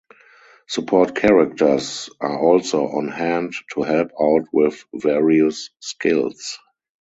Support characters are also on hand to help out with various skills.